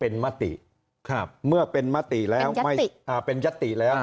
เป็นมติครับเมื่อเป็นมติแล้วไม่อ่าเป็นยัตติแล้ว